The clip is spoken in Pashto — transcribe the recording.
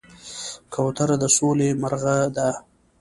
کوتره د سولې مرغه ده.